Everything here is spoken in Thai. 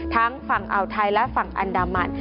ทั้งฝั่งอาวุธำนักฯและฝั่งอันดามัส